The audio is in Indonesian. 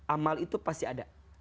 amal itu pasti ada